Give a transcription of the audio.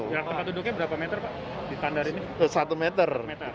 tempat duduknya berapa meter pak